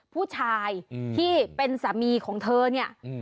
ผู้ชายที่เป็นสามีของเธอเนี่ย